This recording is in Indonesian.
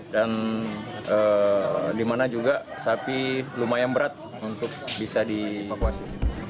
dan dimana juga sapi lumayan berat untuk bisa dievakuasi